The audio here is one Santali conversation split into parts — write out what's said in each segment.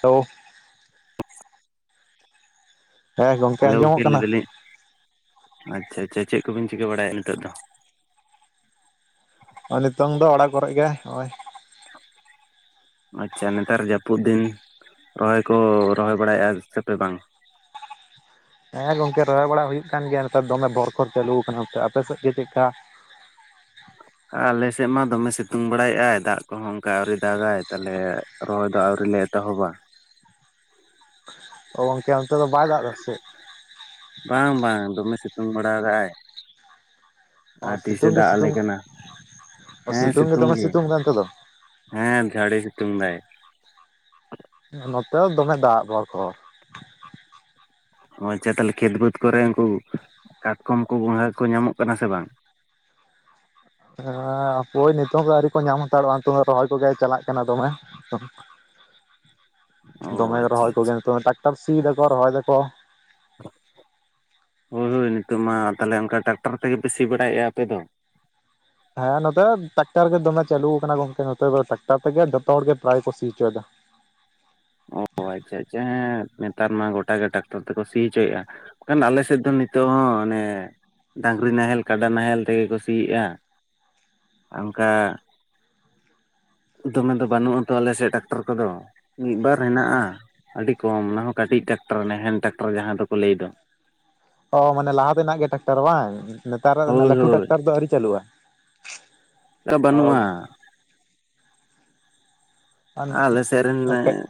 ᱦᱮᱞᱳ ᱦᱮᱸ ᱦᱮᱞᱳ ᱜᱚᱝᱠᱮ ᱟᱸᱡᱚᱢᱚᱜ ᱞᱟᱹᱭ ᱠᱟᱱᱟ ᱫᱟᱹᱞᱤᱧ ᱟᱪᱪᱷᱟ, ᱟᱪᱪᱷᱟ ᱪᱮᱫ ᱠᱚ ᱵᱤᱱ ᱪᱤᱠᱟᱹ ᱵᱟᱲᱟᱭᱮᱜ-ᱟ ᱱᱤᱛᱳᱜ ᱫᱚ? ᱱᱤᱛᱚᱝ ᱫᱚ ᱚᱲᱟᱜ ᱠᱚᱨᱮ ᱜᱮ ᱦᱚᱸᱜ-ᱚᱭ᱾ [inaudible] ᱟᱪᱪᱷᱟ ᱱᱮᱛᱟᱨ ᱡᱟᱹᱯᱩᱫ ᱫᱤᱱ ᱨᱚᱦᱚᱭ ᱠᱚ ᱨᱚᱦᱚᱭ ᱵᱟᱲᱟᱭᱮᱜ-ᱟ ᱥᱮ ᱯᱮ ᱵᱟᱝ? ᱦᱮᱸ ᱜᱚᱝᱠᱮ ᱨᱚᱦᱚᱭ ᱵᱟᱲᱟ ᱦᱩᱭᱩᱜ ᱠᱟᱱ ᱜᱮᱭᱟ᱾ ᱱᱮᱛᱟᱨ ᱫᱚᱢᱮ ᱵᱷᱚᱨ ᱠᱚ ᱪᱟᱹᱞᱩ ᱠᱟᱱᱟ ᱟᱯᱮ ᱥᱮᱫ ᱜᱮ ᱪᱮᱫᱠᱟ? ᱟᱞᱮ ᱥᱮᱫ ᱢᱟ ᱫᱚᱢᱮ ᱥᱤᱛᱩᱝ ᱵᱟᱲᱟᱭ ᱮᱜᱟᱭ ᱫᱟᱜ ᱠᱚᱦᱚᱸ ᱚᱱᱠᱟ ᱟᱹᱣᱨᱤ ᱫᱟᱜᱟᱭ᱾ ᱛᱟᱞᱦᱮ ᱨᱚᱦᱚᱭ ᱫᱚ ᱟᱹᱣᱨᱤ ᱞᱮ ᱮᱛᱚᱦᱚᱵᱟ᱾ ᱚ ᱜᱚᱝᱠᱮ ᱚᱱᱛᱮ ᱫᱚ ᱵᱟᱭ ᱫᱟᱜ ᱫᱟ ᱥᱮ ᱪᱮᱫ? ᱵᱟᱝ ᱵᱟᱝ ᱫᱚᱢᱮ ᱥᱤᱛᱩᱝ ᱵᱟᱲᱟᱭ ᱨᱟᱜ-ᱟᱭ᱾ ᱟᱨ ᱪᱮᱫ ᱛᱤᱥᱮ ᱥᱤᱛᱩᱝ ᱜᱮ ᱫᱟᱜ ᱟᱞᱮ ᱥᱤᱛᱩᱝ ᱠᱟᱱᱟ ᱦᱮᱸ ᱥᱤᱛᱩᱝ ᱜᱮ᱾ ᱦᱮᱸ ᱡᱷᱟᱲᱮ ᱥᱤᱛᱩᱝ ᱫᱟᱭ᱾ ᱱᱚᱛᱮ ᱫᱚ ᱫᱚᱢᱮ ᱫᱟᱜ ᱵᱷᱚᱲ, ᱵᱷᱚᱲ᱾ ᱟᱪᱪᱷᱟ ᱛᱟᱞᱦᱮ ᱠᱷᱮᱛ ᱵᱟᱹᱫᱽ ᱠᱚᱨᱮ ᱩᱱᱠᱩ ᱠᱟᱴᱠᱚᱢ ᱠᱚ ᱜᱚᱸᱝᱜᱷᱟ ᱠᱚᱠᱚ ᱧᱟᱢᱚᱜ ᱠᱟᱱᱟ ᱥᱮ ᱵᱟᱝ? ᱦᱮᱸ ᱦᱟᱯᱳᱭ ᱱᱤᱛᱚᱜ ᱫᱚ ᱟᱹᱣᱨᱤ ᱠᱚ ᱧᱟᱢ ᱦᱟᱛᱟᱲᱚᱜ-ᱟ᱾ ᱱᱤᱛ ᱦᱚᱸ ᱨᱚᱦᱚᱭ ᱠᱚᱜᱮ ᱪᱟᱞᱟᱜ ᱠᱟᱱᱟ ᱫᱚᱢᱮ᱾ [inaudible] ᱚ ᱫᱚᱢᱮ ᱟᱪᱪᱷᱟ ᱨᱚᱦᱚᱭ ᱟᱪᱪᱷᱟ ᱠᱚᱜᱮ ᱴᱨᱟᱠᱴᱟᱨ ᱥᱤ ᱫᱟᱠᱚ ᱨᱚᱦᱚᱭ ᱫᱟᱠᱚ᱾ ᱦᱳᱭ ᱦᱳᱭ ᱱᱤᱛᱳᱜ ᱢᱟ ᱛᱟᱞᱦᱮ ᱚᱱᱠᱟ ᱴᱟᱠᱴᱟᱨ ᱛᱮᱜᱮ ᱯᱮ ᱥᱤ ᱵᱟᱲᱟᱭᱮᱜ-ᱟ ᱟᱯᱮ ᱫᱚ? ᱦᱮᱸ ᱱᱚᱛᱮ ᱴᱨᱟᱠᱴᱟᱨ ᱜᱮ ᱫᱚᱢᱮ ᱪᱟᱹᱞᱩ ᱠᱟᱱᱟ ᱜᱚᱝᱠᱮ᱾ ᱱᱚᱛᱮ ᱫᱚ ᱴᱮᱠᱴᱟᱨ ᱛᱮᱜᱮ ᱡᱚᱛᱚ ᱦᱚᱲ ᱜᱮ ᱯᱨᱟᱭ ᱠᱚ ᱥᱤ ᱦᱚᱪᱚᱭ ᱫᱟ᱾ ᱚ ᱟᱪᱪᱷᱟ, ᱟᱪᱪᱷᱟ ᱦᱮᱸ ᱱᱮᱛᱟᱨ ᱢᱟ ᱜᱚᱴᱟ ᱜᱮ ᱴᱟᱠᱴᱚᱨ ᱛᱮᱠᱚ ᱥᱤ ᱦᱚᱪᱚᱭᱮᱜ-ᱟ᱾ ᱤᱠᱷᱟᱹᱱ ᱟᱞᱮ ᱥᱮᱫ ᱫᱚ ᱱᱤᱛᱚᱜ ᱦᱚᱸ ᱚᱱᱮ ᱰᱟᱺᱜᱽᱨᱤ ᱱᱟᱦᱮᱞ ᱠᱟᱰᱟ ᱱᱟᱦᱮᱞ ᱛᱮᱜᱮ ᱠᱚ ᱥᱤᱭᱮᱜᱼᱟ, ᱟ ᱚᱱᱠᱟ ᱫᱚᱢᱮ ᱫᱚ ᱵᱟᱹᱱᱩᱜᱼᱟ ᱛᱚ ᱟᱞᱮ ᱥᱮᱜ ᱴᱟᱨᱟᱠᱴᱟᱨ ᱠᱚᱫᱚ ᱢᱤᱫᱼ ᱵᱟᱨ ᱦᱮᱱᱟᱜᱼᱟ, ᱟᱹᱰᱤ ᱠᱚᱢ ᱚᱱᱟ ᱦᱚᱸ ᱠᱟᱹᱴᱤᱡ ᱴᱟᱨᱟᱠᱴᱳᱨ ᱱᱟᱦᱮᱞ ᱴᱮᱠᱴᱟᱨ ᱡᱟᱦᱟᱸ ᱫᱚᱠᱚ ᱞᱟᱹᱭ ᱫᱚ᱾ ᱚ ᱢᱟᱱᱮ ᱞᱟᱦᱟ ᱛᱮᱱᱟᱜ ᱜᱮ ᱴᱟᱠᱴᱟᱨ ᱵᱟᱝ, ᱱᱮᱛᱟᱨᱟᱜ ᱫᱚ ᱦᱳᱭ ᱱᱷᱟᱸᱜ ᱞᱟᱹᱴᱩ ᱴᱟᱠᱴᱟᱨ ᱦᱳᱭ ᱫᱚ ᱟᱹᱣᱨᱤ ᱪᱟᱹᱞᱩᱜᱼᱟ? ᱟᱹ ᱵᱟᱹᱱᱩᱜᱼᱟ, ᱟᱞᱮ ᱥᱮᱫ ᱨᱮᱱ ᱮᱸ ᱟᱞᱮ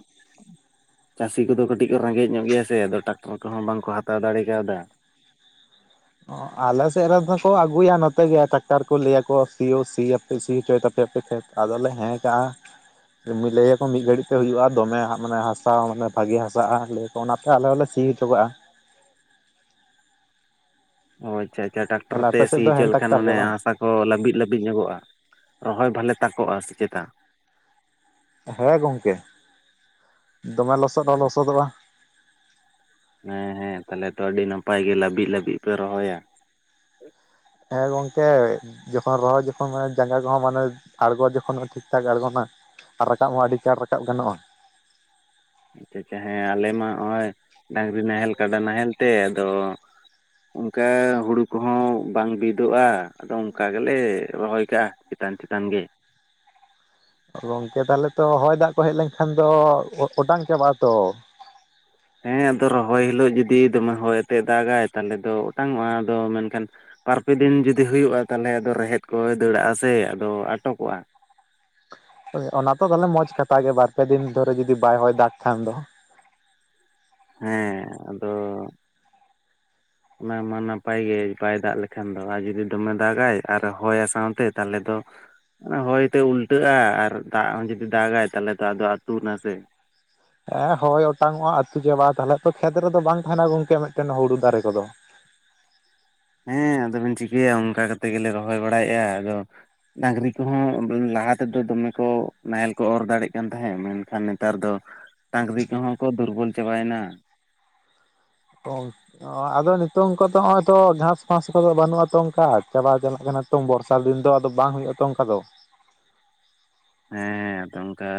ᱪᱟᱹᱥᱤ ᱠᱚᱫᱚ ᱠᱟᱹᱴᱤᱡ ᱠᱚ ᱨᱮᱸᱜᱮᱡ ᱧᱚᱜ ᱜᱮᱭᱟ ᱥᱮ ᱟᱫᱚ ᱴᱟᱨᱟᱠᱴᱟᱨ ᱠᱚᱦᱚᱸ ᱵᱟᱝ ᱠᱚ ᱦᱟᱛᱟᱣ ᱫᱟᱲᱮ ᱟᱠᱟ ᱣᱟᱫᱟ, ᱚ ᱟᱞᱮ ᱥᱮᱫ ᱨᱮᱱ ᱫᱚᱠᱚ ᱟᱹᱜᱩᱭᱟ ᱱᱚᱛᱮ ᱜᱮ ᱴᱟᱠᱴᱟᱨ ᱠᱚ ᱞᱟᱹᱭ ᱟᱠᱚ ᱥᱤᱭ ᱦᱚᱸ ᱥᱤ ᱟᱯ- ᱯᱨ ᱥᱤ ᱦᱚᱪᱚᱭ ᱛᱟᱯᱮᱭᱟ ᱟᱯᱮᱭᱟ ᱠᱷᱮᱛ ᱟᱫᱚ ᱞᱮ ᱦᱮᱸ ᱠᱟᱜᱼᱟ᱾ ᱢᱤᱫ ᱞᱟᱹᱭ ᱟᱠᱚ ᱢᱤᱫ ᱜᱷᱟᱹᱲᱤᱡ ᱛᱮ ᱦᱩᱭᱩᱜᱼᱟ, ᱫᱚᱢᱮ ᱦᱟᱸᱜ ᱢᱟᱱᱮ ᱦᱟᱥᱟ ᱢᱟᱱᱮ ᱵᱷᱟᱜᱤ ᱦᱟᱥᱟᱜᱼᱟ, ᱞᱟᱹᱭ ᱛᱚ ᱚᱱᱟᱛᱮ ᱟᱞᱮ ᱦᱚᱸᱞᱮ ᱥᱤ ᱦᱚᱪᱚ ᱠᱟᱜᱼᱟ ᱚ ᱟᱪᱪᱷᱟ ᱟᱪᱪᱷᱟ ᱴᱟᱠᱴᱟᱨ ᱛᱟᱦᱞᱮ ᱛᱮ ᱟᱯᱮ ᱥᱤ ᱥᱮᱫ ᱫᱚ ᱦᱚᱪᱚ ᱦᱮᱱ ᱞᱮᱠᱷᱟᱱ ᱴᱟᱠᱴᱟᱨ ᱜᱮ ᱢᱟᱱᱮ ᱵᱟᱝ ᱦᱟᱥᱟ ᱚ ᱞᱟᱹᱵᱤᱫ ᱞᱟᱹᱵᱤᱫ ᱧᱚᱜᱚᱜᱼᱟ ᱨᱚᱦᱚᱭ ᱵᱷᱟᱞᱮ ᱛᱟᱠᱚᱜᱼᱟ ᱥᱮ ᱪᱮᱛᱟ? ᱦᱮᱸ ᱜᱚᱝᱠᱮ ᱫᱚᱢᱮ ᱞᱚᱥᱚᱫ ᱦᱚᱸ ᱞᱚᱥᱚᱫᱚᱜᱼᱟ᱾ ᱦᱮᱸ ᱦᱮᱸ ᱛᱟᱦᱮᱞᱮ ᱛᱚ ᱟᱹᱰᱤ ᱱᱟᱯᱟᱭ ᱜᱮ ᱞᱟᱹᱵᱤᱫ ᱞᱟᱹᱵᱤᱫ ᱯᱮ ᱨᱚᱦᱚᱭᱟ? ᱦᱮᱸ ᱜᱚᱝᱠᱮ᱾ ᱡᱚᱠᱷᱚᱱ ᱨᱚᱦᱚᱭ ᱡᱚᱠᱷᱚᱱ ᱢᱟᱱᱮ ᱡᱟᱸᱜᱟ ᱠᱚᱦᱚᱸ ᱢᱟᱱᱮ ᱟᱬᱜᱚ ᱡᱚᱠᱷᱚᱱ ᱦᱚᱸ ᱴᱷᱤᱠ ᱴᱷᱟᱠ ᱟᱲᱜᱚᱱᱟ᱾ ᱟᱨ ᱨᱟᱠᱟᱵ ᱦᱚᱸ ᱟᱹᱰᱤ ᱪᱟᱬ ᱨᱟᱠᱟᱵ ᱜᱟᱱᱚᱜᱼᱟ᱾ ᱟᱪᱪᱷᱟ ᱟᱪᱪᱷᱟ ᱦᱮᱸ ᱟᱞᱮ ᱢᱟ ᱦᱚᱸᱜᱼᱚᱸᱭ ᱰᱟᱺᱜᱽᱨᱤ ᱱᱟᱦᱮᱞ ᱠᱟᱰᱟ ᱱᱟᱦᱮᱞ ᱛᱮ ᱟᱫᱚ ᱚᱸᱠᱟ ᱦᱩᱲᱩ ᱠᱚᱦᱚᱸ ᱵᱟᱝ ᱵᱤᱫᱽᱼᱚᱜᱼᱟ ᱟᱫᱚ ᱚᱸᱠᱟ ᱜᱮᱞᱮ ᱨᱚᱦᱚᱭ ᱠᱟᱜᱼᱟ᱾ ᱪᱮᱛᱟᱱ ᱪᱮᱛᱟᱱ ᱜᱮ᱾ ᱜᱚᱝᱠᱮ ᱛᱟᱦᱮᱞᱮ ᱛᱚ ᱦᱚᱭ ᱫᱟᱜ ᱠᱚ ᱦᱮᱡ ᱞᱮᱱᱠᱷᱟᱱ ᱫᱚ ᱚ ᱚᱴᱟᱝ ᱪᱟᱵᱟᱜᱼᱟ ᱛᱚ? ᱦᱮᱸ ᱟᱫᱚ ᱨᱚᱦᱚᱭ ᱦᱤᱞᱳᱜ ᱡᱩᱫᱤ ᱫᱚᱢᱮ ᱦᱚᱭ ᱟᱛᱮᱫ ᱫᱟᱜᱽᱼᱟᱭ ᱛᱟᱦᱮᱞᱮ ᱫᱚ ᱚᱴᱟᱝ ᱚᱜᱼᱟ ᱟᱫᱚ ᱢᱮᱱᱠᱷᱟᱱ ᱵᱟᱨ ᱯᱮ ᱫᱤᱱ ᱡᱩᱫᱤ ᱦᱩᱭᱩᱜᱼᱟ ᱛᱟᱦᱮᱞᱮ ᱟᱫᱚ ᱨᱮᱦᱮᱫ ᱠᱚᱭ ᱫᱟᱹᱲ ᱟᱜᱼᱟ ᱥᱮ ᱟᱫᱚ ᱟᱴᱚᱠᱚᱜᱼᱟ᱾ ᱦᱳᱭ ᱚᱱᱟ ᱛᱚ ᱛᱟᱦᱚᱞᱮ ᱢᱚᱸᱡᱽ ᱠᱟᱛᱷᱟ ᱜᱮ ᱵᱟᱨ ᱯᱮ ᱫᱤᱱ ᱫᱷᱳᱨᱳ ᱡᱚᱫᱤ ᱵᱟᱭ ᱦᱚᱭ ᱫᱟᱜᱽ ᱠᱷᱟᱱ ᱫᱚ᱾ ᱦᱮᱸ ᱟᱫᱚ ᱚᱱᱟ ᱢᱟ ᱱᱟᱯᱟᱭ ᱜᱮ ᱵᱟᱭ ᱫᱟᱜ ᱞᱮᱠᱷᱟᱱ ᱫᱚ ᱟᱨ ᱡᱩᱫᱤ ᱫᱚᱢᱮ ᱫᱟᱜᱽᱼᱟᱭ ᱟᱨ ᱦᱚᱭᱼᱟ ᱥᱟᱶᱛᱮ ᱛᱟᱦᱮᱞᱮ ᱫᱚ ᱚᱱᱟ ᱦᱚᱭᱛᱮ ᱩᱞᱴᱟᱹᱜᱼᱟ ᱟᱨ ᱫᱟᱜ ᱦᱚᱸ ᱡᱩᱫᱤ ᱫᱟᱜᱽᱼᱟᱭ ᱛᱟᱦᱚᱞᱮ ᱛᱚ ᱟᱫᱚ ᱟᱹᱛᱩ ᱱᱟᱥᱮ᱾ ᱮᱸ ᱦᱚᱭ ᱚᱴᱟᱝ ᱚᱜᱼᱟ ᱟᱹᱛᱩ ᱪᱟᱵᱟᱜᱼᱟ ᱛᱟᱦᱚᱞᱮᱜ ᱛᱚ ᱠᱷᱮᱛ ᱨᱮᱫᱚ ᱵᱟᱝ ᱛᱟᱦᱮᱱᱟ ᱜᱚᱝᱠᱮ ᱢᱤᱫᱴᱮᱱ ᱦᱩᱲᱩ ᱫᱟᱨᱮ ᱠᱚᱫᱚ᱾ ᱦᱮᱸ ᱟᱫᱚᱵᱤᱱ ᱪᱤᱠᱟᱹᱭᱟ ᱚᱸᱠᱟ ᱠᱟᱛᱮ ᱜᱮᱞᱮ ᱨᱚᱦᱚᱭ ᱵᱟᱲᱟᱭᱮᱜᱼᱟ ᱟᱫᱚ, ᱰᱟᱺᱜᱽᱨᱤ ᱠᱚᱦᱚᱸ ᱚᱸ ᱞᱟᱦᱟ ᱛᱮᱫᱚ ᱫᱚᱢᱮ ᱠᱚ ᱱᱟᱦᱮᱞ ᱠᱚ ᱚᱨ ᱫᱟᱲᱮᱜ ᱠᱟᱱ ᱛᱟᱦᱮᱸ ᱢᱮᱱᱠᱷᱟᱱ ᱱᱮᱛᱟᱨ ᱫᱚ ᱰᱟᱺᱜᱽᱨᱤ ᱠᱚᱦᱚᱸ ᱠᱚ ᱫᱩᱨᱵᱚᱞ ᱪᱟᱵᱟᱭᱮᱱᱟ᱾ [unintelligible] ᱚ ᱟᱫᱚ ᱱᱤᱛᱚᱝ ᱠᱚ ᱛᱚ ᱱᱚᱜᱼᱚᱸᱭ ᱛᱚ ᱜᱷᱟᱸᱥ ᱯᱷᱟᱸᱥ ᱠᱚᱫᱚ ᱵᱟᱹᱱᱩᱜᱼᱟ ᱛᱚ ᱚᱝᱠᱟ ᱪᱟᱵᱟ ᱪᱟᱞᱟᱜ ᱠᱟᱱᱟ, ᱛᱚᱝ ᱵᱚᱨᱥᱟ ᱫᱤᱱ ᱫᱚ ᱟᱫᱚ ᱵᱟᱝ ᱦᱩᱭᱩᱜᱼᱟ ᱛᱚ ᱚᱸᱠᱟ ᱫᱚ᱾ ᱦᱮᱸ ᱟᱫᱚ ᱚᱸᱠᱟ,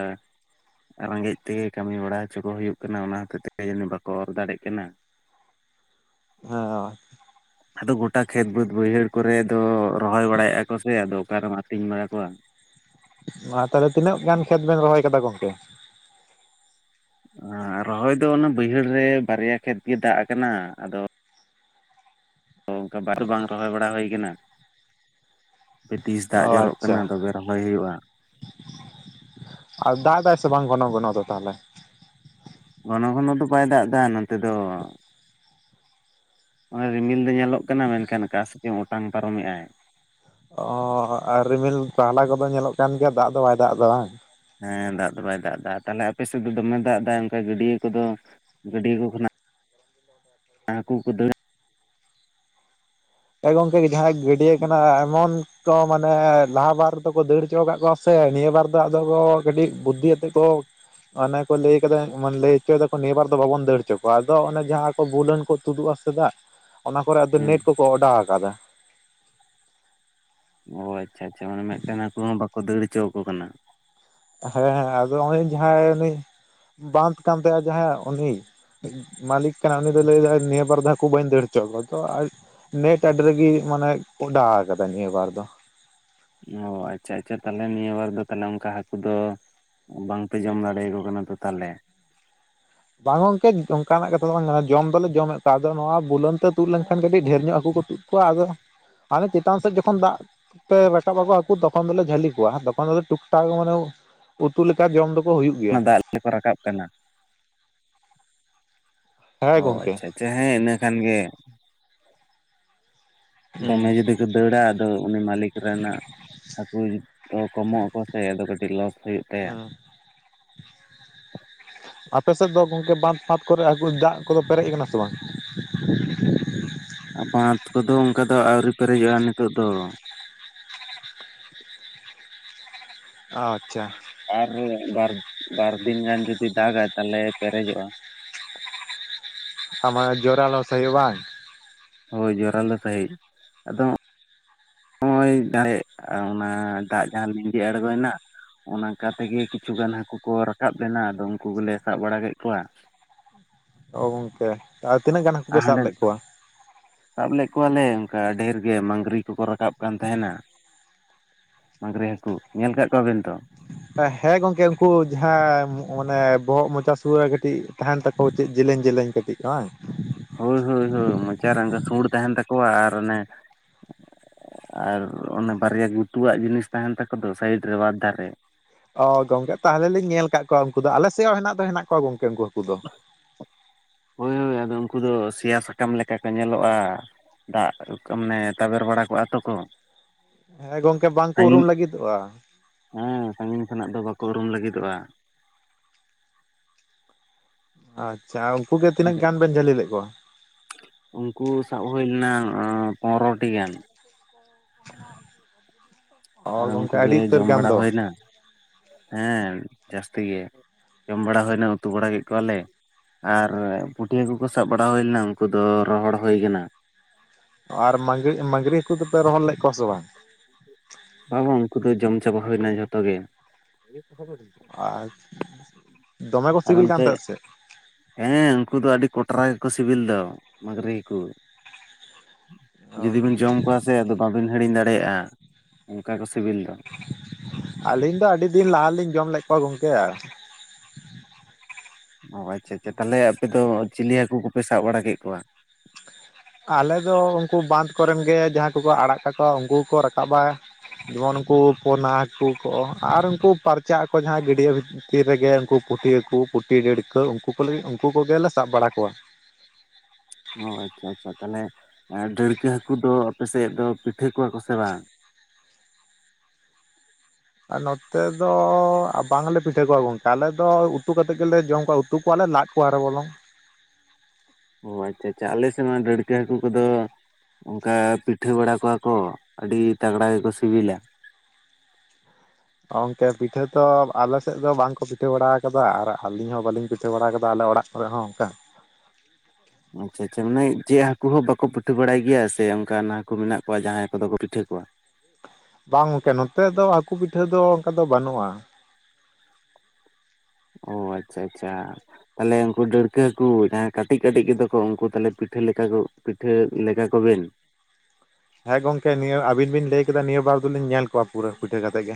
ᱨᱮᱸᱜᱮᱡ ᱛᱮᱜᱮ ᱠᱟᱹᱢᱤ ᱵᱟᱲᱟ ᱦᱚᱪᱚ ᱠᱚ ᱦᱩᱭᱩᱜ ᱠᱟᱱᱟ, ᱚᱱᱟ ᱦᱚᱛᱮᱡ ᱛᱮᱜᱮ ᱡᱟᱹᱱᱤᱜ ᱵᱟᱠᱚ ᱚᱨ ᱫᱟᱲᱮᱜ ᱠᱟᱱᱟ᱾ ᱦᱮᱸ ᱦᱚᱭ᱾ ᱟᱫᱚ ᱜᱚᱴᱟ ᱠᱷᱮᱛ ᱵᱟᱹᱫᱽ ᱵᱟᱹᱭᱦᱟᱹᱲ ᱠᱚᱨᱮ ᱫᱚ ᱨᱚᱦᱚᱭ ᱵᱟᱲᱟᱭᱮᱜᱼᱟ ᱠᱚ ᱥᱮ ᱟᱫᱚ ᱚᱠᱟ ᱨᱮᱢ ᱟᱹᱛᱤᱧ ᱵᱟᱲᱟ ᱠᱚᱣᱟ? ᱢᱟ ᱛᱟᱦᱚᱞᱮ ᱛᱤᱱᱟᱹᱜ ᱜᱟᱱ ᱠᱷᱮᱛ ᱵᱮᱱ ᱨᱚᱦᱚᱭ ᱟᱠᱟᱫᱟ ᱜᱚᱝᱠᱮ? ᱟᱸ ᱨᱚᱦᱚᱭ ᱫᱚ ᱚᱱᱟ ᱵᱟᱹᱭᱦᱟᱹᱲ ᱨᱮ ᱵᱟᱨᱭᱟ ᱠᱷᱮᱛ ᱜᱮ ᱫᱟᱜ ᱟᱠᱟᱱᱟ ᱟᱫᱚ ᱛᱚ ᱚᱸᱠᱟ ᱵᱟᱨ ᱵᱟᱝ ᱨᱚᱦᱚᱭ ᱵᱟᱲᱟ ᱦᱩᱭ ᱠᱟᱱᱟ? ᱦᱟᱯᱮ ᱛᱤᱥ ᱫᱟᱜ ᱚ ᱡᱚᱨᱚᱜ ᱟᱪᱪᱷᱟ ᱠᱟᱱᱟ ᱛᱚᱵᱮ ᱨᱚᱦᱚᱭ ᱦᱩᱭᱩᱜᱼᱟ᱾ ᱟᱨ ᱫᱟᱜ ᱫᱟᱭ ᱥᱮ ᱵᱟᱝ ᱜᱷᱚᱱᱚ ᱜᱚᱱᱚ ᱫᱚ ᱛᱟᱦᱞᱮ? ᱜᱷᱚᱱᱚ ᱜᱷᱚᱱᱚ ᱫᱚ ᱵᱟᱭ ᱫᱟᱜ ᱮᱫᱟ ᱱᱚᱛᱮ ᱫᱚ ᱚᱱᱮ ᱨᱤᱢᱤᱞ ᱫᱚ ᱧᱮᱞᱚᱜ ᱠᱟᱱᱟ ᱢᱮᱱᱠᱷᱟᱱ ᱟᱠᱟᱥᱮᱱ ᱪᱚᱝ ᱚᱴᱟᱝ ᱯᱟᱨᱚᱢ ᱮᱜ ᱟᱭ᱾ ᱚᱻ ᱟᱨ ᱨᱤᱢᱤᱞ ᱟᱦᱞᱟ ᱠᱚᱫᱚ ᱧᱮᱞᱚᱜ ᱠᱟᱱ ᱜᱮᱭᱟ ᱫᱟᱜ ᱫᱚ ᱵᱟᱭ ᱫᱟᱜ ᱫᱟ ᱵᱟᱝ᱾ ᱦᱮᱸ ᱫᱟᱜ ᱫᱚ ᱵᱟᱭ ᱫᱟᱜ ᱮᱫᱟ ᱛᱟᱦᱞᱮ ᱟᱯᱮ ᱥᱮᱫ ᱫᱚᱢᱮ ᱫᱟᱜ ᱮᱫᱟ ᱚᱱᱠᱟ ᱜᱟᱹᱰᱤᱭᱟᱹ ᱠᱚᱫᱚ ᱜᱟᱹᱰᱤᱭᱟᱹ ᱠᱚ ᱠᱷᱚᱱᱟᱜ ᱦᱟᱠᱩ ᱠᱚ ᱫᱟᱹᱲ ᱮ ᱜᱚᱢᱠᱮ ᱡᱟᱦᱟᱸᱭᱟ ᱜᱟᱹᱰᱤᱭᱟᱹ ᱠᱟᱱᱟ ᱮᱢᱟᱩᱱᱴ ᱠᱚ ᱢᱟᱱᱮ ᱞᱟᱦᱟ ᱵᱟᱨ ᱫᱚᱠᱚ ᱫᱟᱹᱲ ᱦᱚᱪᱚ ᱠᱟᱫ ᱠᱚᱣᱟ ᱥᱮ ᱱᱤᱭᱟᱹ ᱵᱟᱨ ᱫᱚ ᱟᱫᱚ ᱠᱟᱹᱴᱤᱡ ᱵᱩᱫᱽᱫᱷᱤ ᱟᱛᱮᱫ ᱠᱚ ᱚᱱᱮ ᱠᱚ ᱞᱟᱹᱭ ᱠᱟᱫᱟ ᱢᱟᱹᱱ ᱞᱟᱹᱭ ᱦᱚᱪᱚᱭ ᱫᱟᱠᱚ ᱱᱤᱭᱟᱹᱵᱟᱨ ᱫᱚ ᱵᱟᱵᱚᱱ ᱫᱟᱹᱲ ᱦᱚᱪᱚ ᱠᱚᱣᱟ ᱟᱫᱚ ᱚᱱᱮ ᱡᱟᱦᱟᱸ ᱠᱚ ᱵᱩᱞᱟᱹᱱ ᱠᱚ ᱛᱩᱫᱩᱜᱼᱟ ᱥᱮ ᱫᱟᱜ [inaudible] ᱚᱱᱟ ᱠᱚᱨᱮ ᱟᱫᱚ ᱦᱮᱸ ᱱᱮᱴ ᱠᱚᱠᱚ ᱚᱰᱟᱣ ᱟᱠᱟᱫᱟ᱾ ᱚ ᱟᱪᱪᱷᱟ ᱟᱪᱪᱷᱟ ᱢᱟᱱᱮ ᱢᱤᱫᱴᱮᱱ ᱦᱟᱠᱩ ᱦᱚᱸ ᱵᱟᱠᱚ ᱫᱟᱹᱲ ᱦᱚᱪᱚ ᱟᱠᱚ ᱠᱟᱱᱟ᱾ ᱦᱮᱸ ᱦᱮᱸ ᱟᱫᱚ ᱱᱚᱜᱼᱚᱭ ᱡᱟᱦᱟᱸᱭ ᱩᱱᱤ ᱵᱟᱸᱫ ᱠᱟᱱ ᱛᱟᱭᱟ ᱡᱟᱦᱟᱸᱭᱟᱜ ᱩᱱᱤ ᱢᱟᱞᱤᱠ ᱠᱟᱱᱟᱭ ᱩᱱᱤ ᱫᱚᱭ ᱞᱟᱹᱭᱫᱟᱭ ᱱᱤᱭᱟᱹ ᱵᱟᱨ ᱫᱷᱟᱣ ᱦᱟᱠᱚ ᱵᱟᱹᱧ ᱫᱟᱹᱲ ᱪᱚ ᱜᱚᱛᱚ ᱟᱨ ᱱᱮᱴ ᱟᱹᱰᱤ ᱨᱟᱜᱤ ᱢᱟᱱᱮ ᱳᱰᱟᱣ ᱟᱠᱟᱫᱟ ᱱᱤᱭᱟᱹ ᱵᱟᱨ ᱫᱚ ᱚ ᱟᱪᱪᱷᱟ ᱟᱪᱪᱷᱟ ᱛᱟᱦᱚᱞᱮ ᱱᱤᱭᱟᱹ ᱵᱟᱨ ᱫᱚ ᱛᱟᱦᱚᱞᱮ ᱚᱱᱠᱟ ᱦᱟᱹᱠᱩ ᱫᱚ ᱵᱟᱝᱯᱮ ᱡᱚᱢ ᱫᱟᱲᱮᱭᱟᱠᱚ ᱠᱟᱱᱟ ᱛᱚ ᱛᱟᱦᱚᱞᱮ? ᱵᱟᱝ ᱜᱚᱝᱠᱮ ᱚᱱᱠᱟᱱᱟᱜ ᱠᱟᱛᱷᱟ ᱫᱚ ᱵᱟᱝ ᱠᱟᱱᱟ ᱡᱚᱢ ᱫᱚᱞᱮ ᱡᱚᱢᱮᱫ ᱠᱚᱣᱟ ᱟᱫᱚ ᱱᱚᱣᱟ ᱵᱩᱞᱟᱹᱱ ᱛᱮ ᱛᱩᱫ ᱞᱮᱱᱠᱷᱟᱱ ᱠᱟᱹᱴᱤᱡ ᱰᱷᱮᱨ ᱧᱚᱜ ᱦᱟᱹᱠᱩ ᱠᱚ ᱛᱩᱫ ᱠᱚᱣᱟ ᱟᱫᱚ ᱦᱟᱱᱮ ᱪᱮᱛᱟᱱ ᱥᱮᱫ ᱡᱚᱠᱷᱚᱱ ᱫᱟᱜ ᱛᱮ ᱨᱟᱠᱟᱵ ᱟᱠᱚ ᱦᱟᱠᱩ ᱛᱚᱠᱷᱚᱱ ᱫᱚᱞᱮ ᱡᱷᱟᱹᱞᱤ ᱠᱚᱣᱟ ᱛᱚᱠᱷᱚᱱ ᱫᱚᱞᱮ ᱴᱩᱠ ᱴᱟᱠ ᱢᱟᱱᱮ ᱩᱛᱩ ᱞᱮᱠᱟ ᱡᱚᱢ ᱫᱚᱠᱚ ᱦᱩᱭᱩᱜ ᱜᱮᱭᱟ᱾ ᱛᱮ ᱠᱚ ᱨᱟᱠᱟᱵ ᱠᱟᱱᱟ᱾ ᱦᱮᱸ ᱚ ᱜᱚᱝᱠᱮ ᱟᱪᱪᱷᱟ ᱟᱪᱪᱷᱟ ᱦᱮᱸ ᱤᱱᱟᱹ ᱠᱷᱟᱱ ᱜᱮ᱾ ᱦᱩᱸ ᱫᱚᱢᱮ ᱡᱩᱫᱤ ᱠᱚ ᱫᱟᱹᱲᱟ ᱟᱫᱚ ᱩᱱᱤ ᱢᱟᱞᱤᱠ ᱨᱮᱱᱟᱜ ᱦᱟᱹᱠᱩ ᱛᱚ ᱠᱚᱢᱚᱜ ᱟᱠᱚ ᱥᱮ ᱟᱫᱚ ᱠᱟᱹᱴᱤᱡ ᱞᱚᱥ ᱦᱩᱭᱩᱜ ᱛᱟᱭᱟ᱾ ᱦᱩᱸ ᱟᱯᱮᱥᱮᱫ ᱫᱚ ᱜᱚᱝᱠᱮ ᱵᱟᱸᱫᱽ ᱯᱷᱟᱸᱫᱽ ᱠᱚᱨᱮ ᱦᱟᱠᱩ ᱫᱟᱜ ᱠᱚᱫᱚ ᱯᱮᱨᱮᱡ ᱟᱠᱟᱱᱟ ᱥᱮ ᱵᱟᱝ? ᱟᱨ ᱵᱟᱸᱫᱽ ᱠᱚᱫᱚ ᱚᱱᱠᱟ ᱫᱚ ᱟᱣᱨᱤ ᱯᱮᱨᱮᱡᱚᱜᱼᱟ ᱱᱤᱛᱚᱜ ᱫᱚ ᱚ ᱟᱪᱪᱷᱟ᱾ ᱟᱨ ᱵᱟᱨ ᱵᱟᱨ ᱫᱤᱱ ᱜᱟᱱ ᱡᱩᱫᱤ ᱫᱟᱜᱟᱭ ᱛᱟᱦᱚᱞᱮ ᱯᱮᱨᱮᱡᱚᱜᱼᱟ᱾ ᱟᱢᱟ ᱡᱳᱲᱟ ᱞᱚᱥ ᱦᱩᱭᱩᱜᱼᱟ ᱵᱟᱝ? ᱦᱳᱭ ᱡᱚᱨᱟᱞᱳ ᱥᱟᱺᱦᱤᱡ ᱟᱫᱚ ᱱᱚᱜᱼᱚᱭ ᱡᱮ ᱚᱱᱟ ᱫᱟᱜ ᱡᱟᱦᱟᱸ ᱞᱤᱸᱡᱤ ᱟᱬᱜᱚᱭᱮᱱᱟ ᱚᱱᱠᱟ ᱛᱮᱜᱮ ᱠᱤᱪᱷᱩᱜᱟᱱ ᱦᱟᱹᱠᱩ ᱠᱚ ᱨᱟᱠᱟᱵ ᱞᱮᱱᱟ ᱟᱫᱚ ᱩᱱᱠᱩ ᱜᱮᱞᱮ ᱥᱟᱵ ᱵᱟᱲᱟ ᱠᱮᱫ ᱠᱚᱣᱟ᱾ ᱚ ᱜᱚᱝᱠᱮ ᱟᱨ ᱛᱤᱱᱟᱹᱜ ᱜᱟᱱ ᱦᱟᱹᱠᱩ ᱯᱮ ᱟᱨ ᱥᱟᱵ ᱦᱟᱸᱰᱮ ᱞᱮᱫ ᱠᱚᱣᱟ? ᱥᱟᱵ ᱞᱮᱫ ᱠᱚᱣᱟᱞᱮ ᱚᱱᱠᱟ ᱰᱷᱮᱨ ᱜᱮ ᱢᱟᱝᱽᱜᱨᱤ ᱠᱚᱠᱚ ᱨᱟᱠᱟᱵ ᱠᱟᱱ ᱛᱟᱦᱮᱱᱟ᱾ ᱢᱟᱸᱜᱽᱨᱤ ᱦᱟᱹᱠᱩ ᱧᱮᱞ ᱟᱠᱟᱫ ᱠᱚᱣᱟᱵᱮᱱ ᱛᱚ? ᱦᱮᱸ ᱜᱚᱝᱠᱮ ᱩᱱᱠᱩ ᱡᱟᱦᱟᱸ ᱢᱟᱱᱮ ᱵᱚᱦᱚᱜ ᱢᱚᱪᱟ ᱥᱩᱨ ᱨᱮ ᱠᱟᱹᱴᱤᱡ ᱛᱟᱦᱮᱱ ᱛᱟᱠᱚ ᱪᱮᱫ ᱡᱮ. ᱞᱮᱧ ᱡᱮ. ᱞᱮᱧ ᱠᱟᱹᱴᱤᱡ ᱵᱟᱝ? ᱦᱳᱭ ᱦᱳᱭ ᱦᱳᱭ ᱢᱚᱪᱟ ᱨᱟᱸᱜᱟ ᱥᱩᱲ ᱛᱟᱦᱮᱱ ᱛᱟᱠᱚᱣᱟ ᱟᱨ ᱚᱱᱮ ᱟᱨ ᱚᱱᱮ ᱵᱟᱨᱭᱟ ᱜᱩᱛᱩᱣᱟᱜ ᱡᱤᱱᱤᱥ ᱛᱟᱦᱮᱱ ᱛᱟᱠᱚ ᱫᱚ ᱥᱟᱭᱤᱰ ᱨᱮ ᱵᱟᱨ ᱫᱷᱟᱨᱮ᱾ ᱚ ᱜᱚᱝᱠᱮ ᱛᱟᱦᱚᱞᱮ ᱞᱤᱧ ᱧᱮᱞ ᱠᱟᱫ ᱠᱚᱣᱟ ᱩᱱᱠᱩ ᱫᱚ ᱟᱞᱮ ᱥᱮᱫ ᱦᱚᱸ ᱦᱮᱱᱟᱜ ᱫᱚ ᱦᱮᱱᱟᱜ ᱠᱚᱣᱟ ᱜᱚᱝᱠᱮ ᱩᱱᱠᱩ ᱦᱟᱹᱠᱩ ᱫᱚ᱾ ᱦᱳᱭ ᱦᱳᱭ ᱟᱫᱚ ᱩᱱᱠᱩ ᱫᱚ ᱥᱮᱭᱟ ᱥᱟᱠᱟᱢ ᱞᱮᱠᱟ ᱠᱚ ᱧᱮᱞᱚᱜᱼᱟ᱾ ᱫᱟᱜ ᱢᱟᱱᱮ ᱛᱟᱵᱮᱨ ᱵᱟᱲᱟ ᱠᱚᱜᱼᱟ ᱛᱚ ᱠᱚ᱾ ᱦᱮᱸ ᱜᱚᱝᱠᱮ ᱵᱟᱝᱠᱚ ᱩᱨᱩᱢ ᱞᱟᱹᱜᱤᱫᱚᱜᱼᱟ᱾ ᱦᱮᱸ ᱥᱟᱺᱜᱤᱧ ᱠᱷᱚᱱᱟᱜ ᱫᱚ ᱵᱟᱠᱚ ᱩᱨᱩᱢ ᱞᱟᱹᱜᱤᱫᱚᱜᱼᱟ᱾ ᱟᱪᱪᱷᱟ ᱩᱱᱠᱩ ᱜᱮ ᱛᱤᱱᱟᱹᱜ ᱟᱫᱚ ᱜᱟᱱ ᱵᱮᱱ ᱡᱷᱟᱹᱞᱤ ᱞᱮᱫ ᱠᱚᱣᱟ? ᱩᱱᱠᱩ ᱥᱟᱵ ᱦᱩᱭ ᱞᱮᱱᱟ ᱯᱚᱱᱨᱚᱴᱤ ᱜᱟᱱ᱾ ᱚ ᱟᱫᱚ ᱩᱱᱠᱩ ᱜᱚᱝᱠᱮ ᱜᱮ ᱟᱹᱰᱤ ᱩᱛᱟᱹᱨ ᱡᱚᱢ ᱜᱟᱱ ᱵᱟᱲᱟ ᱫᱚ᱾ ᱦᱩᱭᱱᱟ ᱦᱮᱸ ᱡᱟᱹᱥᱛᱤ ᱜᱮ ᱡᱚᱢ ᱵᱟᱲᱟ ᱦᱩᱭᱱᱟ ᱩᱛᱩ ᱵᱟᱲᱟ ᱠᱮᱫ ᱠᱚᱣᱟᱞᱮ᱾ ᱟᱨ ᱯᱩᱴᱷᱤᱹ ᱦᱟ. ᱠᱩ ᱠᱚ ᱥᱟᱵ ᱵᱟᱲᱟ ᱦᱩᱭ ᱞᱮᱱᱟ ᱩᱱᱠᱩ ᱫᱚ ᱨᱚᱦᱚᱲ ᱦᱩᱭ ᱟᱠᱟᱱᱟ᱾ ᱟᱨ ᱢᱟᱹᱝᱜᱤ ᱢᱟᱹᱝᱜᱽᱨᱤ ᱦᱟᱹᱠᱩ ᱫᱚᱯᱮ ᱨᱚᱦᱚᱲ ᱞᱮᱫ ᱠᱚᱣᱟ ᱥᱮ ᱵᱟᱝ? ᱵᱟᱵᱟ ᱩᱱᱠᱩ ᱫᱚ ᱡᱚᱢ ᱪᱟᱵᱟ ᱦᱩᱭᱱᱟ ᱡᱷᱚᱛᱚ ᱜᱮ᱾ ᱟᱨ, ᱫᱚᱢᱮ ᱠᱚ ᱟᱨ ᱥᱤᱵᱤᱞ ᱠᱟᱱ ᱚᱱᱛᱮ ᱛᱟᱦᱮᱸᱫ ᱥᱮ? ᱦᱮᱸ ᱩᱱᱠᱩ ᱫᱚ ᱟᱹᱰᱤ ᱠᱚᱴᱨᱟ ᱜᱮᱠᱚ ᱥᱤᱵᱤᱞ ᱫᱚ ᱢᱟᱹᱝᱜᱽᱨᱤ ᱠᱩ᱾ ᱚ ᱡᱩᱫᱤ ᱵᱤᱱ ᱜᱚᱝᱠᱮ ᱡᱚᱢ ᱠᱚᱣᱟ ᱥᱮ ᱟᱫᱚ ᱵᱟᱵᱤᱱ ᱦᱤᱲᱤᱧ ᱫᱟᱲᱮᱭᱟᱜ, ᱚᱱᱠᱟ ᱠᱚ ᱥᱤᱵᱤᱞ ᱫᱚ᱾ ᱟᱹᱞᱤᱧ ᱫᱚ ᱟᱹᱰᱤ ᱫᱤᱱ ᱞᱟᱦᱟᱞᱤᱧ ᱡᱚᱢ ᱞᱮᱫ ᱠᱚᱣᱟ ᱜᱚᱝᱠᱮ᱾ ᱟᱨ- ᱚ ᱟᱪᱪᱷᱟ ᱟᱪᱪᱷᱟ ᱛᱟᱦᱚᱞᱮ ᱟᱯᱮ ᱫᱚ ᱪᱤᱞᱤ ᱦᱟᱹᱠᱩ ᱠᱚᱯᱮ ᱥᱟᱵ ᱵᱟᱲᱟ ᱠᱮᱫ ᱠᱚᱣᱟ? ᱟᱞᱮ ᱫᱚ ᱩᱱᱠᱩ ᱵᱟᱸᱫ ᱠᱚᱨᱮᱱ ᱜᱮ ᱡᱟᱦᱟᱸᱭ ᱠᱚᱠᱚ ᱟᱲᱟᱜ ᱠᱟᱠᱚᱣᱟ ᱩᱱᱠᱩ ᱠᱚ ᱨᱟᱠᱟᱵᱟ᱾ ᱡᱮᱢᱚᱱ ᱩᱱᱠᱩ ᱯᱚᱱᱟ ᱦᱟᱹᱠᱩ ᱠᱚ ᱟᱨ ᱩᱱᱠᱩ ᱯᱟᱨᱪᱟᱜ ᱟᱠᱚ ᱡᱟᱦᱟᱸᱭ ᱜᱟᱹᱰᱭᱟᱹ ᱵᱷᱤᱛ -ᱛᱤᱨ ᱨᱮᱜᱮ ᱩᱱᱠᱩ ᱯᱩᱴᱤ ᱦᱟᱹᱠᱩ ᱯᱩᱴᱤ ᱰᱟᱹᱲᱠᱟᱹ ᱩᱱᱠᱩ ᱠᱚ ᱞᱟᱹᱜᱤᱫ ᱩᱱᱠᱩ ᱠᱚᱜᱮᱞᱮ ᱥᱟᱵ ᱵᱟᱲᱟ ᱠᱚᱣᱟ᱾ ᱚ ᱟᱪᱪᱷᱟ ᱟᱪᱪᱷᱟ ᱛᱟᱦᱚᱞᱮ ᱰᱟᱹᱲᱠᱟᱹ ᱦᱟᱹᱠᱩ ᱫᱚ ᱟᱯᱮ ᱥᱮᱫ ᱫᱚ ᱯᱤᱴᱷᱟᱹ ᱠᱚᱣᱟ ᱠᱚ ᱥᱮ ᱵᱟᱝ? ᱟᱨ ᱱᱚᱛᱮ ᱫᱚ ᱵᱟᱝᱞᱮ ᱯᱤᱴᱷᱟᱹ ᱠᱚᱣᱟ ᱜᱚᱝᱠᱮ ᱟᱞᱮ ᱫᱚ ᱩᱛᱩ ᱠᱟᱛᱮᱫ ᱜᱮᱞᱮ ᱡᱚᱢ ᱠᱚᱣᱟ ᱩᱛᱩ ᱠᱚᱣᱟᱞᱮ ᱞᱟᱫ ᱠᱚᱣᱟᱨᱮ ᱵᱚᱞᱚᱝ ᱚ ᱟᱪᱪᱷᱟ ᱟᱪᱪᱷᱟ ᱟᱞᱮ ᱥᱮᱫ ᱢᱟ ᱰᱟᱹᱲᱠᱟᱹ ᱦᱟᱹᱠᱩ ᱠᱚᱫᱚ᱾ ᱚᱱᱠᱟ ᱯᱤᱴᱷᱟᱹ ᱵᱟᱲᱟ ᱠᱚᱣᱟ ᱠᱚ ᱟᱹᱰᱤ ᱛᱟᱜᱽᱲᱟ ᱜᱮᱠᱚ ᱥᱤᱵᱤᱞᱟ᱾ ᱜᱚᱝᱠᱮ ᱯᱤᱴᱷᱟᱹ ᱫᱚ ᱟᱞᱮ ᱥᱮᱫ ᱫᱚ ᱵᱟᱝᱠᱚ ᱯᱤᱴᱷᱟᱹ ᱫᱚ ᱟᱞᱮ ᱥᱮᱜ ᱫᱚ ᱵᱟᱝ ᱠᱚ ᱯᱤᱴᱷᱟᱹ ᱵᱟᱲᱟ ᱟᱠᱟᱫᱟ ᱟᱨ ᱟᱹᱞᱤᱧ ᱦᱚᱸ ᱵᱟᱹᱞᱤᱧ ᱯᱤᱴᱷᱟᱹ ᱵᱟᱲᱟ ᱟᱠᱟᱫᱟ ᱟᱞᱮ ᱚᱲᱟᱜ ᱠᱚᱨᱮ ᱦᱚᱸ ᱚᱱᱠᱟ᱾ ᱟᱪᱪᱷᱟ ᱟᱪᱪᱷᱟ ᱢᱟᱱᱮ ᱪᱮᱫ ᱦᱟᱹᱠᱩ ᱦᱚᱸ ᱵᱟᱠᱚ ᱯᱤᱴᱷᱟᱹ ᱵᱟᱲᱟᱭ ᱜᱮᱭᱟ, ᱥᱮ ᱚᱱᱠᱟ ᱦᱟᱹᱠᱩ ᱢᱮᱱᱟᱜ ᱠᱚᱣᱟ ᱡᱟᱦᱟᱸᱭ ᱠᱚᱫᱚ ᱠᱚ ᱯᱤᱴᱷᱟᱹ ᱠᱚᱣᱟ? ᱵᱟᱝ ᱜᱚᱝᱠᱮ ᱱᱚᱛᱮ ᱫᱚ ᱦᱟᱹᱠᱩ ᱯᱤᱴᱷᱟᱹ ᱫᱚ ᱚᱱᱠᱟ ᱫᱚ ᱵᱟᱹᱱᱩᱜᱼᱟ᱾ ᱚ ᱟᱪᱪᱷᱟ ᱟᱪᱪᱷᱟ᱾ ᱛᱟᱦᱚᱞᱮ ᱩᱱᱠᱩ ᱰᱟᱹᱲᱠᱟᱹ ᱦᱟᱹᱠᱩ ᱡᱟᱦᱟᱸᱭ ᱠᱟᱹᱴᱤᱡ ᱠᱟᱹᱴᱤᱡ ᱜᱮᱛᱟ ᱠᱚ ᱩᱱᱠᱩ ᱛᱟᱦᱞᱮ ᱯᱤᱴᱷᱟᱹ ᱞᱮᱠᱟ ᱯᱤᱴᱷᱟᱹ ᱞᱮᱜᱟ ᱠᱚᱵᱮᱱ᱾ ᱦᱮᱸ ᱜᱚᱝᱠᱮ ᱱᱤᱭᱟᱹ ᱟᱵᱤᱱ ᱵᱤᱱ ᱞᱟᱹᱭ ᱠᱮᱫᱟ ᱱᱤᱭᱟᱹ ᱵᱟᱨ ᱫᱚᱞᱤᱧ ᱧᱮᱞ ᱠᱚᱣᱟ ᱯᱩᱨᱟᱹ ᱯᱤᱴᱷᱟᱹ ᱠᱟᱛᱮᱜ ᱜᱮ᱾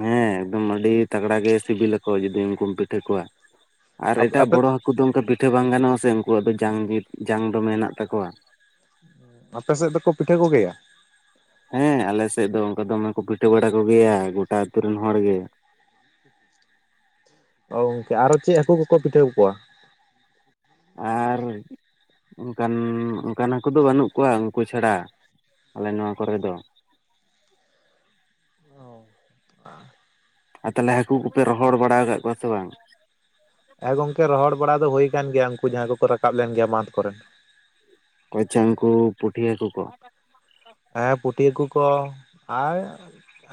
ᱦᱮᱸ ᱮᱠᱫᱚᱢ ᱟᱹᱰᱤ ᱛᱟᱜᱽᱲᱟ ᱜᱮ ᱥᱤᱵᱤᱞᱟᱚ ᱡᱩᱫᱤᱢ ᱩᱱᱠᱩᱢ ᱯᱤᱴᱷᱟᱹ ᱟᱠᱚᱣᱟ᱾ ᱟᱨ ᱟᱯᱮ ᱮᱴᱟᱜ ᱟᱯᱮ ᱵᱚᱲᱚ ᱦᱟᱹᱠᱩ ᱫᱚ ᱚᱱᱠᱟ ᱯᱤᱴᱷᱟᱹ ᱵᱟᱝ ᱜᱟᱱᱚᱜᱼᱟ ᱥᱮ ᱩᱱᱠᱩᱣᱟᱜ ᱫᱚ ᱡᱟᱝ ᱜᱤ ᱡᱟᱝ ᱫᱚ ᱢᱮᱱᱟᱜ᱾ ᱛᱟᱠᱚᱣᱟ᱾ ᱟᱯᱮ ᱥᱮᱫ ᱫᱚᱠᱚ ᱯᱤᱴᱷᱟᱹ ᱠᱚ ᱜᱮᱭᱟ? ᱦᱮᱸ ᱟᱞᱮ ᱥᱮᱫ ᱫᱚ ᱚᱱᱠᱟ ᱫᱚᱢᱮ ᱠᱚ ᱯᱤᱴᱷᱟᱹ ᱵᱟᱲᱟ ᱠᱚ ᱜᱮᱭᱟ ᱜᱚᱴᱟ ᱟᱛᱩ ᱨᱮᱱ ᱦᱚᱲ ᱜᱮ᱾ ᱚ ᱜᱚᱝᱠᱮ ᱟᱨᱚ ᱪᱮᱫ ᱦᱟᱹᱠᱩ ᱠᱚᱠᱚ ᱯᱤᱴᱷᱟᱹ ᱠᱚᱣᱟ? ᱟᱨ ᱚᱱᱠᱟᱱ ᱚᱱᱠᱟᱱ ᱦᱟᱹᱠᱩ ᱫᱚ ᱵᱟᱹᱱᱩᱜ ᱠᱚᱣᱟ ᱩᱱᱠᱩ ᱪᱷᱟᱲᱟ, ᱟᱞᱮ ᱱᱚᱣᱟ ᱠᱚᱨᱮ ᱫᱚ᱾ ᱚᱻ [unintelligible] ᱟᱨ ᱛᱟᱦᱚᱞᱮ ᱦᱟᱹᱠᱩ ᱠᱚᱯᱮ ᱨᱚᱦᱚᱲ ᱵᱟᱲᱟ ᱟᱠᱟᱫ ᱠᱚᱣᱟ ᱥᱮ ᱵᱟᱝ? ᱦᱮᱸ ᱜᱚᱝᱠᱮ ᱨᱚᱦᱚᱲ ᱵᱟᱲᱟ ᱫᱚ ᱦᱩᱭ ᱟᱠᱟᱱ ᱜᱮᱭᱟ, ᱩᱱᱠᱩ ᱡᱟᱦᱟᱸᱭ ᱠᱚᱠᱚ ᱨᱟᱠᱟᱵ ᱞᱮᱱ ᱜᱮᱭᱟ ᱵᱟᱸᱴᱷ ᱠᱚᱨᱮᱱ᱾ ᱠᱚᱭᱪᱟᱱ ᱠᱚ ᱯᱩᱴᱷᱤ ᱦᱟᱹᱠᱩ ᱠᱚ᱾ ᱦᱮᱸ ᱯᱩᱴᱷᱤ ᱦᱟᱹᱠᱩ ᱠᱚ ᱟᱨ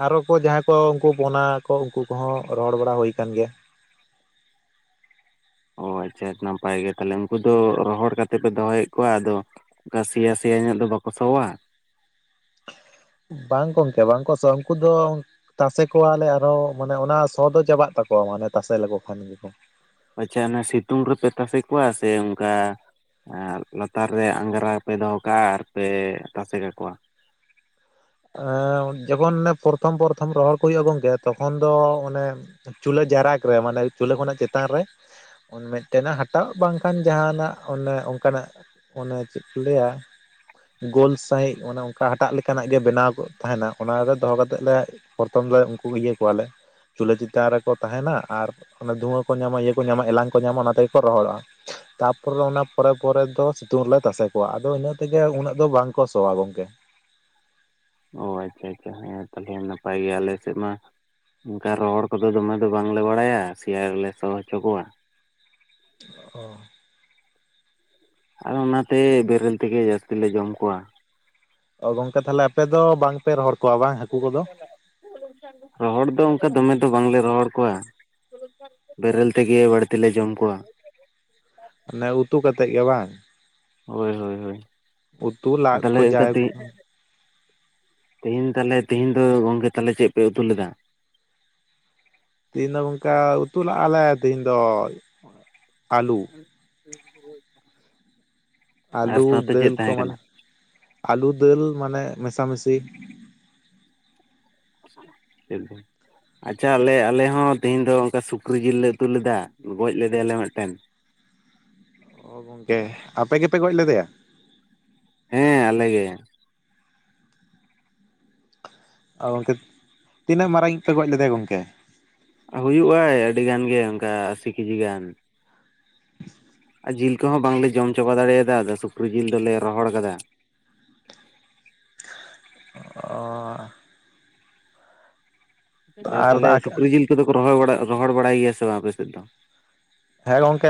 ᱟᱨᱚ ᱠᱚ ᱡᱟᱦᱟᱸᱭ ᱠᱚ ᱩᱱᱠᱩ ᱯᱚᱱᱟ ᱠᱚ ᱩᱱᱠᱩ ᱠᱚᱦᱚᱸ ᱨᱚᱦᱚᱲ ᱵᱟᱲᱟ ᱦᱩᱭ ᱟᱠᱟᱱ ᱜᱮᱭᱟ᱾ ᱚ ᱟᱪᱪᱷᱟ ᱱᱟᱯᱟᱭ ᱜᱮ ᱛᱟᱦᱞᱮ ᱩᱱᱠᱩ ᱫᱚ ᱨᱚᱦᱚᱲ ᱠᱟᱛᱮ ᱯᱮ ᱫᱚᱦᱚᱭᱮᱫ ᱠᱚᱣᱟ ᱟᱫᱚ ᱚᱱᱠᱟ ᱥᱮᱭᱟ ᱥᱮᱭᱟ ᱧᱚᱜ ᱫᱚ ᱵᱟᱠᱚ ᱥᱚᱣᱟ? ᱵᱟᱝ ᱜᱚᱢᱠᱮ, ᱵᱟᱝᱠᱚ ᱥᱚᱣᱟ ᱩᱱᱠᱩ ᱫᱚ ᱛᱟᱥᱮ ᱠᱚᱣᱟᱞᱮ ᱟᱨᱦᱚᱸ ᱢᱟᱱᱮ ᱚᱱᱟ ᱥᱚ ᱫᱚ ᱪᱟᱵᱟᱜ ᱛᱟᱠᱚᱣᱟ ᱢᱟᱱᱮ ᱛᱟᱥᱮ ᱞᱮᱠᱚ ᱠᱷᱟᱱ ᱜᱮᱠᱚ᱾ ᱟᱪᱪᱷᱟ ᱚᱱᱟ ᱥᱤᱛᱩᱝ ᱨᱮᱯᱮ ᱛᱟᱥᱮ ᱠᱚᱣᱟ, ᱥᱮ ᱚᱱᱠᱟ ᱟᱨ ᱞᱟᱛᱟᱨ ᱨᱮ ᱟᱸᱜᱽᱨᱟ ᱯᱮ ᱫᱚᱦᱚ ᱠᱟᱜᱼᱟ ᱟᱨ ᱯᱮ ᱛᱟᱥᱮ ᱠᱟᱠᱚᱣᱟ? ᱡᱚᱠᱷᱚᱱ ᱚᱱᱮ ᱯᱚᱨᱛᱷᱚᱢ ᱯᱚᱨᱛᱷᱚᱢ ᱨᱚᱦᱚᱲ ᱠᱚ ᱦᱩᱭᱩᱜᱼᱟ ᱜᱚᱢᱠᱮ ᱛᱚᱠᱷᱚᱱ ᱫᱚ ᱚᱱᱮ ᱪᱩᱞᱦᱟᱹ ᱡᱟᱨᱟᱠ ᱨᱮ ᱢᱟᱱᱮ ᱪᱩᱞᱦᱟᱹ ᱠᱷᱚᱱᱟᱜ ᱪᱮᱛᱟᱱ ᱨᱮ ᱢᱮᱴᱮᱱᱟᱜ ᱦᱟᱴᱟᱣ ᱵᱟᱝ ᱠᱷᱟᱱ ᱡᱟᱦᱟᱸᱱᱟᱜ ᱚᱱᱮ ᱚᱱᱠᱟᱱᱟᱜ ᱚᱱᱮ ᱪᱮᱫ ᱠᱚ ᱞᱟᱹᱭᱟ ᱜᱳᱞ ᱥᱟᱦᱤᱡ ᱚᱱᱮ ᱚᱱᱠᱟ ᱦᱟᱴᱟᱜ ᱞᱮᱠᱟ ᱱᱟᱜ ᱜᱮ ᱵᱮᱱᱟᱣ ᱠᱚ ᱛᱟᱦᱮᱸᱱᱟ ᱚᱱᱟ ᱨᱮ ᱫᱚᱦᱚ ᱠᱟᱛᱮᱫ ᱞᱮ ᱯᱨᱚᱛᱷᱚᱢ ᱞᱮ ᱩᱱᱠᱩ ᱤᱭᱟᱹ ᱠᱚᱣᱟᱞᱮ ᱪᱩᱞᱦᱟᱹ ᱪᱮᱛᱟᱱ ᱨᱮᱠᱚ ᱛᱟᱦᱮᱸᱱᱟ ᱟᱨ ᱚᱱᱟ ᱫᱷᱩᱣᱟᱹ ᱠᱚ ᱧᱟᱢᱟ ᱤᱭᱟᱹ ᱠᱚ ᱧᱟᱢᱟ ᱮᱞᱟᱝ ᱠᱚ ᱧᱟᱢᱟ ᱚᱱᱟ ᱛᱮᱜᱮ ᱠᱚ ᱨᱚᱦᱚᱲᱚᱜᱼᱟ᱾ ᱛᱟᱯᱚᱨᱮ ᱚᱱᱟ ᱯᱚᱨᱮ ᱯᱚᱨᱮ ᱫᱚ ᱥᱤᱛᱩᱝ ᱨᱮᱞᱮ ᱛᱟᱥᱮ ᱠᱚᱣᱟ ᱟᱫᱚ ᱤᱱᱟᱹ ᱛᱮᱜᱮ ᱩᱱᱟᱹᱜ ᱫᱚ ᱵᱟᱝ ᱠᱚ ᱥᱚᱣᱟ ᱜᱚᱝᱠᱮ ᱾ ᱚ ᱟᱪᱪᱷᱟ ᱟᱪᱪᱷᱟ ᱦᱮᱸ ᱛᱟᱦᱚᱞᱮ ᱱᱟᱯᱟᱭ ᱜᱮᱭᱟ, ᱟᱞᱮ ᱥᱮᱫ ᱢᱟ ᱚᱱᱠᱟ ᱨᱚᱦᱚᱲ ᱠᱚᱫᱚ ᱫᱚᱢᱮ ᱫᱚ ᱵᱟᱝᱞᱮ ᱵᱟᱲᱟᱭᱟ ᱥᱮᱭᱟ ᱜᱮᱞᱮ ᱥᱚ ᱦᱚᱪᱚ ᱠᱚᱣᱟ᱾ ᱚᱻ ᱟᱫᱚ ᱚᱱᱟᱛᱮ ᱵᱮᱨᱮᱞ ᱛᱮᱜᱮ ᱡᱟᱹᱥᱛᱤ ᱞᱮ ᱡᱚᱢ ᱠᱚᱣᱟ ᱾ ᱚ ᱜᱚᱝᱠᱮ ᱛᱟᱦᱚᱞᱮ ᱟᱯᱮ ᱫᱚ ᱵᱟᱝ ᱯᱮ ᱨᱚᱦᱚᱲ ᱠᱚᱣᱟ ᱵᱟᱝ ᱦᱟᱹᱠᱩ ᱠᱚᱫᱚ? ᱨᱚᱦᱚᱲ ᱫᱚ ᱚᱱᱠᱟ ᱫᱚᱢᱮ ᱫᱚ ᱵᱟᱝᱞᱮ ᱨᱚᱦᱚᱲ ᱠᱚᱣᱟ ᱾ ᱵᱮᱨᱮᱞ ᱛᱮᱜᱮ ᱵᱟᱹᱲᱛᱤ ᱞᱮ ᱡᱚᱢ ᱠᱚᱣᱟ ᱾ ᱛᱟᱦᱚᱞᱮ ᱩᱛᱩ ᱠᱟᱛᱮᱫ ᱜᱮ ᱵᱟᱝ? ᱦᱳᱭ ᱦᱳᱭ ᱦᱳᱭ, ᱩᱛᱩ ᱞᱟᱫ ᱛᱟᱦᱚᱞᱮ ᱠᱚ ᱡᱟᱭᱦᱳᱠ ᱠᱟᱹᱴᱤᱡ ᱛᱮᱦᱮᱧ ᱛᱟᱦᱚᱞᱮ ᱛᱮᱦᱮᱧ ᱫᱚ ᱜᱚᱝᱠᱮ ᱛᱟᱦᱚᱞᱮ ᱪᱮᱫ ᱯᱮ ᱩᱛᱩ ᱞᱮᱫᱟ? ᱛᱤᱦᱤᱧ ᱫᱚ ᱜᱚᱝᱠᱮ ᱩᱛᱩ ᱞᱟᱜ-ᱟ ᱞᱮ ᱛᱤᱦᱤᱧ ᱫᱚ ᱟᱞᱩ ᱾ [unintelligible] ᱟᱨ ᱟᱞᱩ ᱥᱟᱶᱛᱮ ᱪᱮᱫ ᱫᱟᱹᱞ ᱠᱚ ᱛᱟᱦᱮᱸ ᱠᱟᱱᱟ ᱢᱟᱱᱮ, ᱟᱞᱩ ᱫᱟᱹᱞ ᱢᱟᱱᱮ ᱢᱮᱥᱟᱢᱤᱥᱤ [unintelligible] ᱟᱪᱪᱷᱟ ᱟᱞᱮ ᱟᱞᱮ ᱦᱚᱸ ᱛᱤᱦᱤᱧ ᱫᱚ ᱚᱱᱠᱟ ᱥᱩᱠᱨᱤ ᱡᱤᱞ ᱞᱮ ᱩᱛᱩ ᱞᱮᱫᱟ, ᱜᱚᱡ ᱞᱮᱫᱮᱭᱟᱞᱮ ᱢᱤᱫᱴᱮᱱ ᱾ ᱚ ᱜᱚᱝᱠᱮ ᱟᱯᱮ ᱜᱮᱯᱮ ᱜᱚᱡ ᱞᱮᱫᱮᱭᱟ? ᱦᱮᱸ ᱟᱞᱮ ᱜᱮ ᱾ ᱚ ᱜᱚᱢᱠᱮ ᱛᱤᱱᱟᱹᱜ ᱢᱟᱨᱟᱝᱤᱡ ᱯᱮ ᱜᱚᱡ ᱞᱮᱫᱮᱭᱟ ᱜᱚᱢᱠᱮ? ᱦᱩᱭᱩᱜᱼᱟᱭ ᱟᱹᱰᱤ ᱜᱟᱱ ᱜᱮ ᱚᱱᱠᱟ ᱟᱥᱤ ᱠᱮᱡᱤ ᱜᱟᱱ ᱾ [unintelligible] ᱟᱨ ᱡᱤᱞ ᱠᱚᱦᱚᱸ ᱵᱟᱝᱞᱮ ᱡᱚᱢ ᱪᱟᱵᱟ ᱫᱟᱲᱮᱭᱟᱫᱟ ᱟᱫᱚ ᱥᱩᱠᱨᱤ ᱡᱤᱞ ᱫᱚᱞᱮ ᱨᱚᱦᱚᱲ ᱟᱠᱟᱫᱟ᱾ ᱚᱻ ᱾ ᱟᱨ ᱛᱟᱦᱚᱞᱮ ᱥᱩᱠᱨᱤ ᱡᱤᱞ ᱠᱚᱫᱚ ᱠᱚ ᱨᱚᱦᱚᱲ ᱵᱟᱲᱟ, ᱨᱚᱦᱚᱲ ᱵᱟᱲᱟᱭ ᱜᱮᱭᱟ ᱥᱮ ᱵᱟᱝ ᱟᱯᱮ ᱥᱮᱫ ᱫᱚ? ᱦᱮᱸ ᱜᱚᱝᱠᱮ